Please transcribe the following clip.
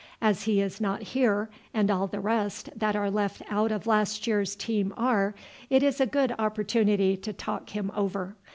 As he is not here, and all the rest that are left out of last year's team are, it is a good opportunity to talk him over.